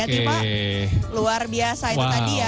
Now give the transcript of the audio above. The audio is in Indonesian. hati hati pak luar biasa itu tadi ya